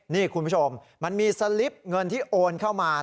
นี่คุณผู้ชมมันมีสลิปเงินที่โอนเข้ามา